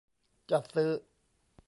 จัดซื้อ